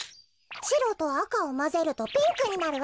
しろとあかをまぜるとピンクになるわ。